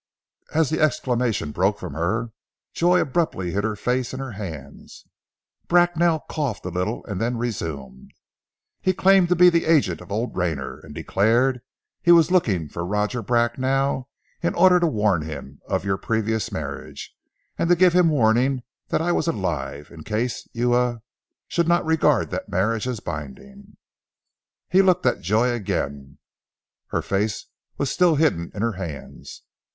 As the exclamation broke from her, Joy abruptly hid her face in her hands, Bracknell coughed a little and then resumed "He claimed to be the agent of old Rayner, and declared he was looking for Roger Bracknell in order to warn him of your previous marriage, and to give him warning that I was alive, in case you a should not regard that marriage as binding." He looked at Joy again. Her face was still hidden in her hands.